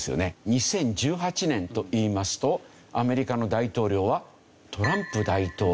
２０１８年といいますとアメリカの大統領はトランプ大統領。